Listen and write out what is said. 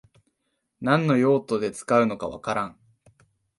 何の用途で使うのかわからん